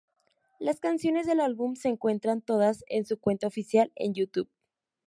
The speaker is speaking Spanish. Las canciones del álbum se encuentran todas en su cuenta oficial en "YouTube".